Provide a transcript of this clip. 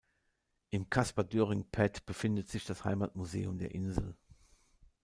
Im Caspar-Döring-Pad befindet sich das Heimatmuseum der Insel.